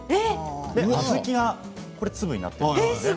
小豆の粒になっています。